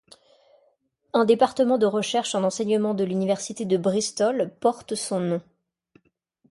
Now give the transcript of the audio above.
Un département de recherche en enseignement de l'université de Bristol porte son nom.